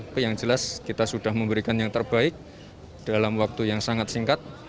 tapi yang jelas kita sudah memberikan yang terbaik dalam waktu yang sangat singkat